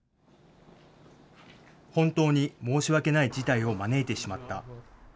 本当に申し訳ない事態を招いてしまった。